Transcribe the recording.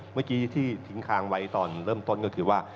เมื่อกี้ที่ทิ้งค้างไว้ตอนเริ่มต้นก็คือว่า